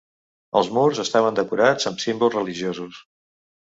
Els murs estaven decorats amb símbols religiosos.